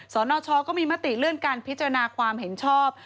สนชก็มีมติเลื่อนการพิจารณาความเห็นชอบ